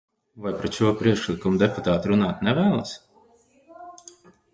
"Vai "pret" šo priekšlikumu deputāti runāt nevēlas?"